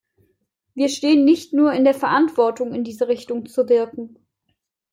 Wir stehen nicht nur in der Verantwortung, in diese Richtung zu wirken.